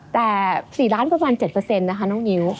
แต่๔ล้านประมาณ๗เปอร์เซ็นต์นะคะน้องนิ้ว